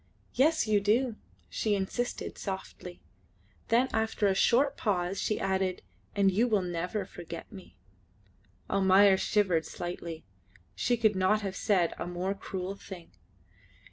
"Yes, you do," she insisted softly; then after a short pause she added, "and you will never forget me." Almayer shivered slightly. She could not have said a more cruel thing.